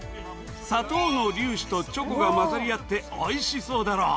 砂糖の粒子とチョコが混ざり合っておいしそうだろ。